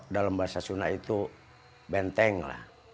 dalam bahasa sunda itu benteng lah